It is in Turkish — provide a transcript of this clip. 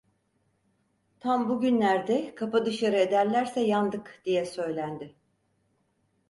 "Tam bugünlerde kapı dışarı ederlerse yandık!" diye söylendi.